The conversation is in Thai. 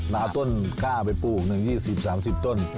เอาต้นฆ่าไปปลูกหนึ่งยี่สิบสามสิบต้น